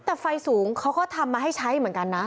แต่ไฟสูงเขาก็ทำมาให้ใช้เหมือนกันนะ